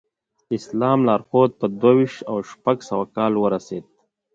د اسلام لارښود په دوه ویشت او شپږ سوه کال ورسېد.